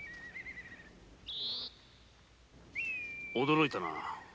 驚いたなぁ。